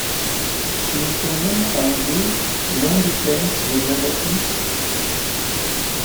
Si nous prenions, à nous deux, l’un des claims de John Watkins?